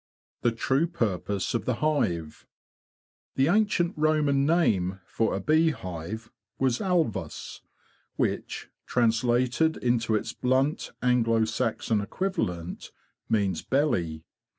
The True Purpose of the Hive The ancient Roman name for a beehive was alvus, which, translated into its blunt Anglo Saxon equivalent, means belly.